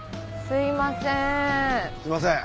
すいませーん。